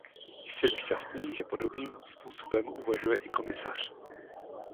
Jsem šťastný, že podobným způsobem uvažuje i komisař.